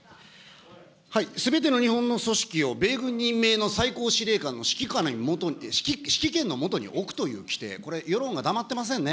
すべての日本の組織を米軍任命の最高司令官の指揮権の下に置くという規定、これ、世論が黙ってませんね。